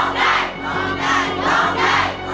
ร้องได้๐๕